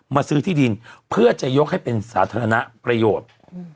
ซื้อที่ดินเพื่อจะยกให้เป็นสาธารณประโยชน์